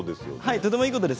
とても、いいことです。